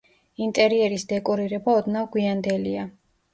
ინტერიერის დეკორირება ოდნავ გვიანდელია.